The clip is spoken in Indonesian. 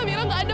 amira enggak ada